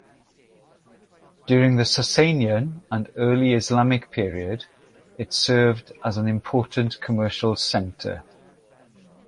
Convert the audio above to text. During the Sasanian and early Islamic period it served as an important commercial center.